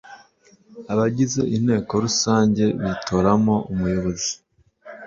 abagize inteko rusange bitoramo Umuyobozi